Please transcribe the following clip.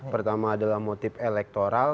pertama adalah motif elektoral